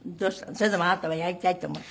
それでもあなたはやりたいって思った？